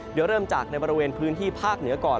เดี๋ยวเริ่มจากในบริเวณพื้นที่ภาคเหนือก่อน